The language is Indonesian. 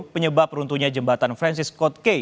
penyebab runtuhnya jembatan francis code k